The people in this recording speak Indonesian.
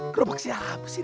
gerobak siapa sih